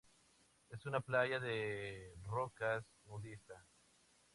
Es una playa de rocas nudista.